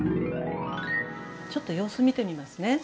ちょっと様子見てみますね。